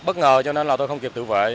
bất ngờ cho nên là tôi không kịp tự vệ